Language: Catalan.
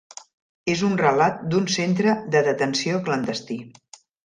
És un relat d'un centre de detenció clandestí.